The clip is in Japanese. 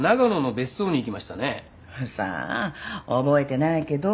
さあ覚えてないけど。